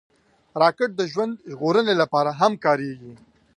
راکټ د ژوند ژغورنې لپاره هم کارېږي